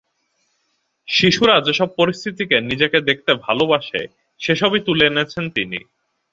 শিশুরা যেসব পরিস্থিতিতে নিজেকে দেখতে ভাবতে ভালোবাসে, সেসবই তুলে এনেছেন তিনি।